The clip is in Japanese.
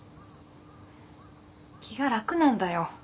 気が楽なんだよ。